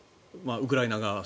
ウクライナ側は。